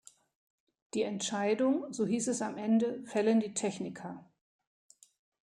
Die Entscheidung, so hieß es am Ende, fällen die Techniker.